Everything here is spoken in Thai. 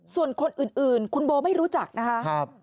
ส่วนคนอื่นคุณโบไม่รู้จักนะคะ